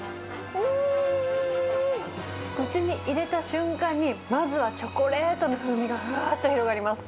口に入れた瞬間に、まずはチョコレートの風味がふわーっと広がります。